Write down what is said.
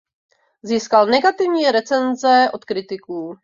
Získal negativní recenze od kritiků.